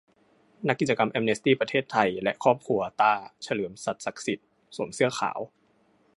นักกิจกรรมแอมเนสตี้ ประเทศไทย และครอบครัว"ตาร์"เฉลิม สัตย์ศักดิ์สิทธิ์ สวมเสื้อฮาว